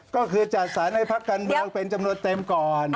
ก็คือจัดสรรให้พระกัณฑ์เป็นจำนวนเต็มก่อน